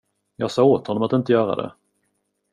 Jag sa åt honom att inte göra det.